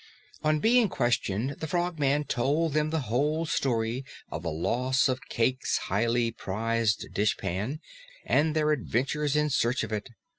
On being questioned, the Frogman told them the whole story of the loss of Cayke's highly prized dishpan and their adventures in search of it.